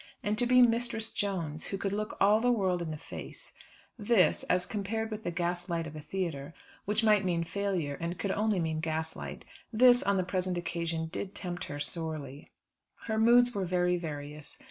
And to be Mistress Jones, who could look all the world in the face, this as compared with the gaslight of a theatre, which might mean failure, and could only mean gaslight this, on the present occasion, did tempt her sorely. Her moods were very various.